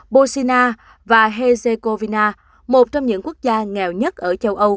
bosnia và herzegovina một trong những quốc gia nghèo nhất ở châu âu